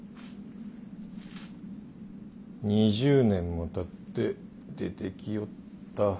２０年もたって出てきよった。